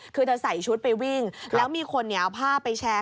คือเธอใส่ชุดไปวิ่งแล้วมีคนเนี่ยเอาภาพไปแชร์